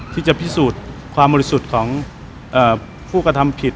ที่จะพิสูจน์ความบริสุทธิ์ของผู้กระทำผิด